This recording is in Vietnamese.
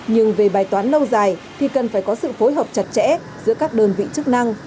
nhưng về bài toán lâu dài thì cần phải có sự phối hợp chặt chẽ giữa các đơn vị chức năng